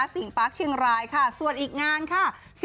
สิงปาร์คเชียงรายค่ะส่วนอีกงานค่ะ